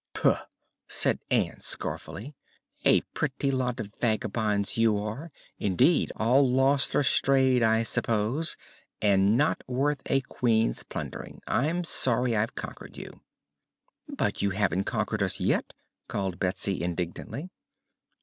"Puh!" said Ann, scornfully; "a pretty lot of vagabonds you are, indeed; all lost or strayed, I suppose, and not worth a Queen's plundering. I'm sorry I've conquered you." "But you haven't conquered us yet," called Betsy indignantly.